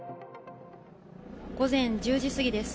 午前１０時過ぎです。